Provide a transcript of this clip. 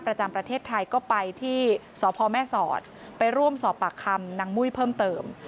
ประจำประเทศไทยก็ไปที่สพแม่สอดไปร่วมสอบปากคำนางมุ้ยเพิ่มเติม